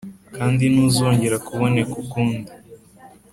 kandi ntuzongera kuboneka ukundi.